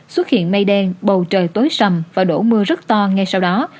xuất hiện mây đen bầu trời tối sầm và đổ mưa rất to ngay sau đó